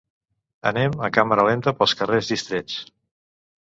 Anem a càmera lenta pels carrers distrets.